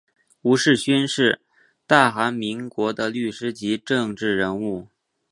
吴世勋是大韩民国的律师及政治人物。